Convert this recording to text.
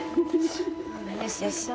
よしよし。